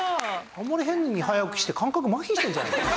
あんまり変に早起きして感覚まひしてるんじゃないですか？